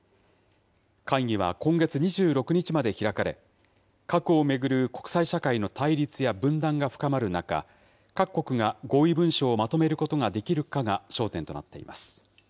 会議は今月２６日まで開かれ、核を巡る国際社会の対立や分断が深まる中、各国が合意文書をまとめることができるかが焦点となっています。